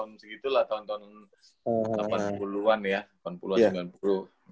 jadi disitulah tahun tahun delapan puluh an ya delapan puluh an sembilan puluh